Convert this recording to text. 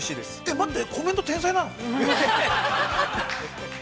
◆待って、コメント天才なの？